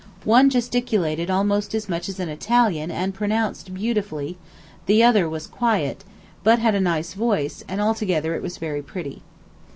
One gesticulated almost as much as an Italian and pronounced beautifully; the other was quiet, but had a nice voice, and altogether it was very pretty.